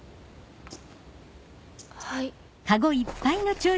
はい。